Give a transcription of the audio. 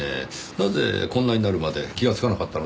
なぜこんなになるまで気がつかなかったのでしょう？